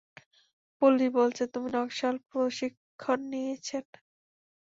Police বলছে তুমি নকশাল প্রশিক্ষণ নিয়েছেন।